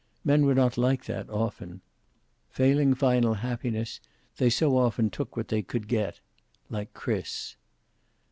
Men were not like that, often. Failing final happiness, they so often took what they could get. Like Chris.